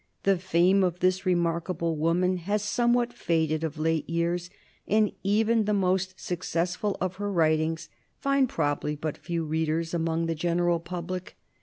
The fame of this remarkable woman has somewhat faded of late years, and even the most successful of her writings find probably but few readers among the general public.